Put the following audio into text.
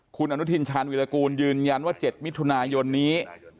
คุณอนุทินชาญวิรากูลยืนยันว่า๗มิถุนายนนี้